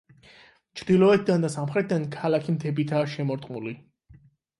ჩრდილოეთიდან და სამხრეთიდან ქალაქი მთებითაა შემორტყმული.